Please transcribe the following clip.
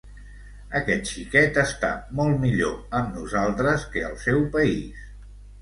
Aquest xiquet està molt millor amb nosaltres que al seu país.